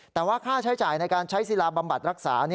แต่ว่าค่าใช้จ่ายในการใช้ศิลาบำบัดรักษา